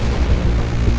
saya mau ke rumah